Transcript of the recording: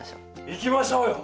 行きましょうよ。